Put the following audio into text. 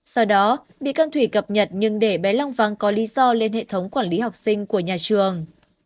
sau đó bị can thủy cập nhật nhưng để bé long văng có lý do lên hệ thống quản lý học sinh của nhà trường